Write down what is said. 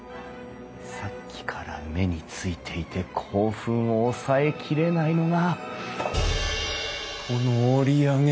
さっきから目に付いていて興奮を抑えきれないのがこの折り上げ